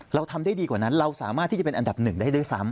เราทำได้ดีกว่านั้นเราสามารถที่จะเป็นอันดับหนึ่งได้ด้วยซ้ำ